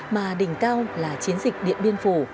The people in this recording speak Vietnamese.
mà đỉnh cao là chiến dịch điện biên phủ